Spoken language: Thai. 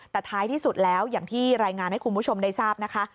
แต่ท้ายที่สุดแล้วอย่างที่รายงานให้คุณผู้ชมได้ทราบนะคะ